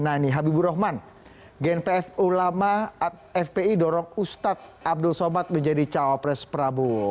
nah ini habibur rahman genpf ulama fpi dorong ustadz abdul somad menjadi cawapres prabowo